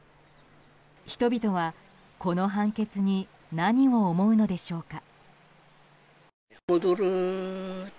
人々は、この判決に何を思うのでしょうか。